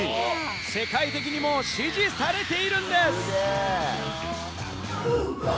世界的にも支持されているんです。